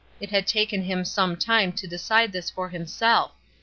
It had taken him some time to decide this for himself.